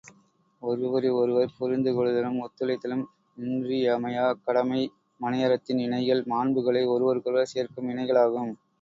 ஒருவரை ஒருவர் புரிந்துகொள்ளுதலும், ஒத்துழைத்தலும் இன்றியமையாக் கடமை மனையறத்தின் இணைகள், மாண்புகளை ஒருவருக்கொருவர் சேர்க்கும் இணைகளாகும்.